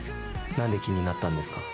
「何で気になったんですか？」